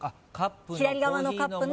左側のカップの。